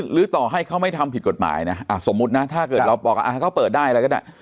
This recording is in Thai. หรือต่อให้เขาไม่ทำผิดกฎหมายนะสมมุตินะถ้าเกิดเราบอกว่าเขาเปิดได้อะไรก็ได้